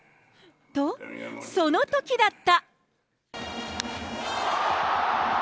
と、そのときだった。